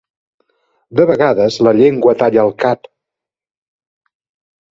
De vegades la llengua talla el cap.